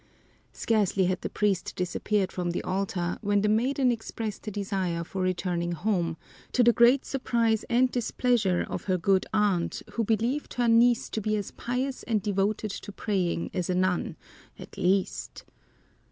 Scarcely had the priest disappeared from the altar when the maiden expressed a desire for returning home, to the great surprise and displeasure of her good aunt, who believed her niece to be as pious and devoted to praying as a nun, at least.